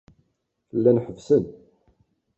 Llan ḥebbsen.